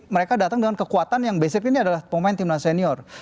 mereka datang dengan kekuatan yang basic ini adalah pemain timnas senior